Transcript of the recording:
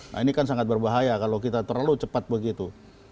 nah ini kan sangat berbahaya kalau kita terlalu cepat begitu